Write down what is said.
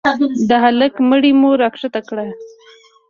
د هلك مړى مو راكښته كړ.